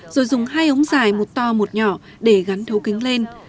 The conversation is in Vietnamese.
rồi dùng hai ống dài một to một nhỏ để gắn thấu kính lên